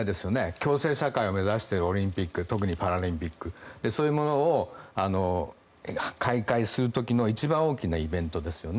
共生社会を目指しているオリンピック特にパラリンピックそういうものを開会する時の一番大きなイベントですよね。